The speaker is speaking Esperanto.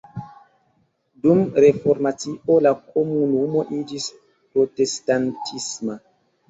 Dum Reformacio la komunumo iĝis protestantisma.